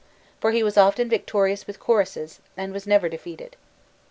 For he was often victorious with choruses, and was never defeated.